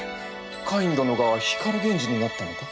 カイン殿が光源氏になったのか？